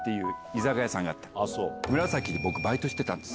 村さ来で僕バイトしてたんです。